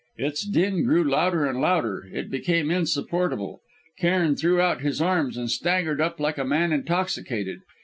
Its din grew louder and louder; it became insupportable. Cairn threw out his arms and staggered up like a man intoxicated.